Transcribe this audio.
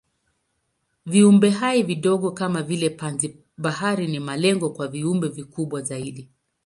Viumbehai vidogo kama vile panzi-bahari ni malengo kwa viumbe vikubwa zaidi.